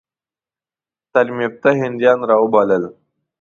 تعلیم یافته هندیان را وبلل.